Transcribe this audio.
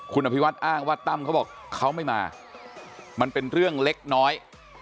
คุณอภิวัตอ้างว่าตั้มเขาบอกเขาไม่มามันเป็นเรื่องเล็กน้อย